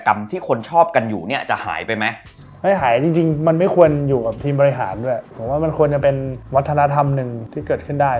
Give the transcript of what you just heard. มีบริหารด้วยกลัวว่ามันควรแน่นเป็นวัฒนธรรมนึงที่เกิดขึ้นได้